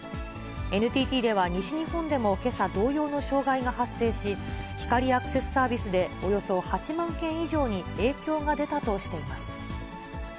ＮＴＴでは、西日本でもけさ、同様の障害が発生し、光アクセスサービスでおよそ８万件以上に影響が出たとしています。